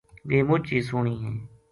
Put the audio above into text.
ویہ مُچ ہی سوہنی ہیں